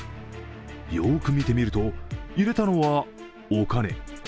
よーく見てみると、入れたのはお金